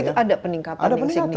itu ada peningkatan yang signifikan